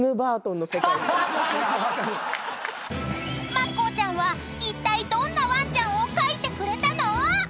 ［まっこーちゃんはいったいどんなワンちゃんを描いてくれたの⁉］